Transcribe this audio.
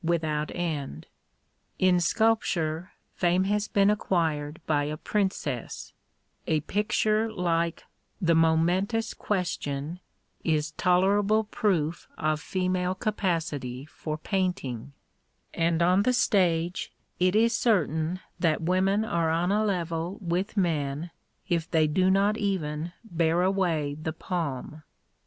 without end. In sculpture, fame has been acquired by a princess ; a picture like "The Momentous Question" is tolerable proof of female capacity for painting; and on the stage, it is certain that women are on a level with men, if they do not even bear away the palm.